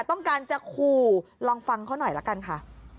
ต้องการจะขู่ลองฟังเขาหน่อยละกันค่ะ